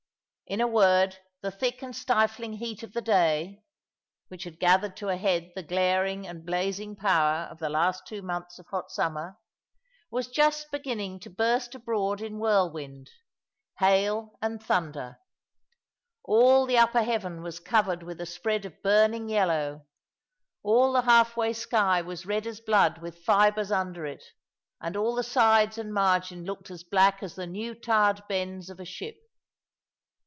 In a word, the thick and stifling heat of the day (which had gathered to a head the glaring and blazing power of the last two months of hot summer) was just beginning to burst abroad in whirlwind, hail, and thunder. All the upper heaven was covered with a spread of burning yellow; all the half way sky was red as blood with fibres under it, and all the sides and margin looked as black as the new tarred bends of a ship.